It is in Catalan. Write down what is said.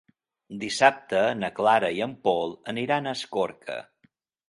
Dissabte na Clara i en Pol aniran a Escorca.